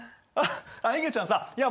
あっいげちゃんさいや